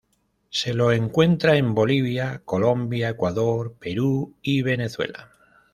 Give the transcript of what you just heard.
Se lo encuentra en Bolivia, Colombia, Ecuador, Perú, y Venezuela.